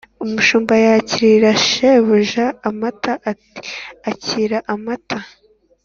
umushumba yakirira shebuja amata ati: “akira amata”,